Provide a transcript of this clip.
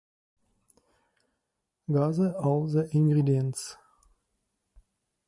Gather all the ingredients.